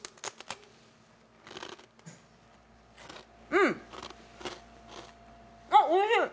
うんあっおいしい！